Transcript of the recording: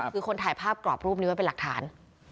คือคนถ่ายภาพกรอบรูปนี้ไว้เป็นหลักฐาน